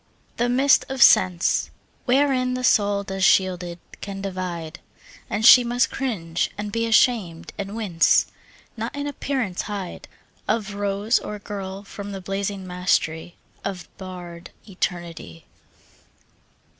The mist of sense, Wherein the soul goes shielded, can divide, And she must cringe and be ashamed, and wince, Not in appearance hide Of rose or girl from the blazing mastery Of bared Eternity.